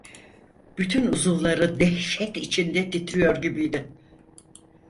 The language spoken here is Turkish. Bütün uzuvları dehşet içinde titriyor gibiydi.